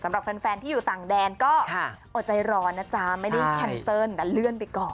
สำหรับแฟนที่อยู่ต่างแดนก็อดใจร้อนนะจ๊ะไม่ได้แคนเซิลแต่เลื่อนไปก่อน